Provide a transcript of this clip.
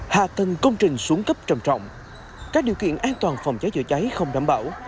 hạ tầng công trình xuống cấp trầm trọng các điều kiện an toàn phòng cháy chữa cháy không đảm bảo